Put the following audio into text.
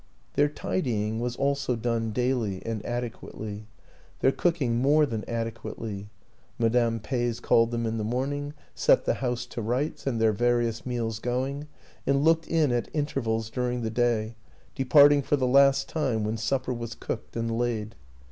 Their tidying was also done daily and adequately, their cooking more than adequately; Madame Peys called them in the morning, set the house to rights and their various meals going, and looked in at intervals during the day, departing for the last time when supper was cooked and laid.